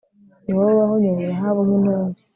ni wowe wahonyoye rahabu nk'intumbi